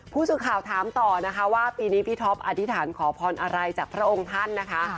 ผู้สื่อข่าวถามต่อนะคะว่าปีนี้พี่ท็อปอธิษฐานขอพรอะไรจากพระองค์ท่านนะคะ